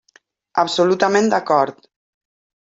Absolutament d'acord.